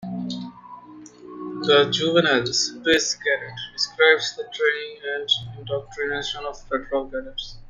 The juvenile "Space Cadet" describes the training and indoctrination of Patrol cadets.